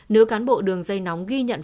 nữ cán bộ đường dây nóng ghi nhận